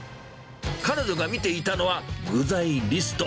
彼女が見ていたのは、具材リスト。